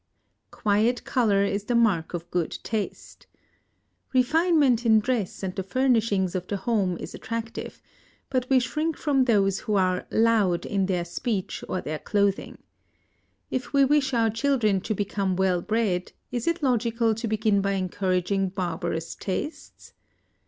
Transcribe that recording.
Quiet Color is the Mark of Good Taste. Refinement in dress and the furnishings of the home is attractive, but we shrink from those who are "loud" in their speech or their clothing. If we wish our children to become well bred, is it logical to begin by encouraging barbarous tastes?